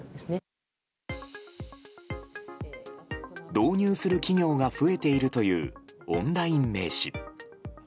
導入する企業が増えているというオンライン名刺。